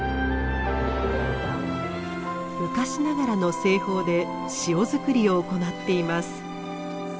昔ながらの製法で塩づくりを行っています。